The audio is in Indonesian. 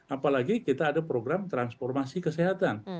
apalagi kita ada program transformasi kesehatan